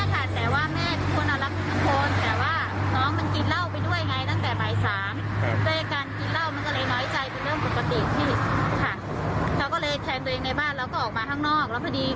หนูก็เลยถามว่าเป็นอะไร